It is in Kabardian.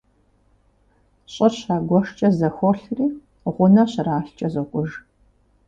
ЩӀыр щагуэшкӀэ зэхуолъри, гъунэ щралъкӀэ зокӀуж.